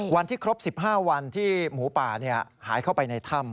วันที่ครบ๑๕วันที่หมูป่าหายเข้าไปในถ้ำ